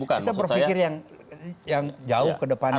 kita berpikir yang jauh ke depannya